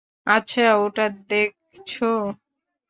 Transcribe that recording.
আচ্ছা, ওটা দেখছো?